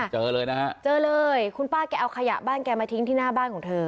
เจอเลยนะฮะเจอเลยคุณป้าแกเอาขยะบ้านแกมาทิ้งที่หน้าบ้านของเธอ